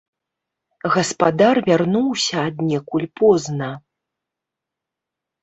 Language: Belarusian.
Гаспадар вярнуўся аднекуль позна.